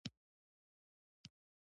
فکري مقولو او مفاهیمو مطالعه جوته راښيي.